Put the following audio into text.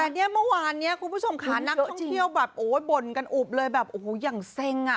แต่เนี่ยเมื่อวานนี้คุณผู้ชมค่ะนักท่องเที่ยวแบบโอ้ยบ่นกันอุบเลยแบบโอ้โหอย่างเซ็งอ่ะ